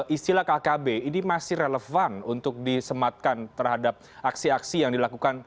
istilah kkb ini masih relevan untuk disematkan terhadap aksi aksi yang dilakukan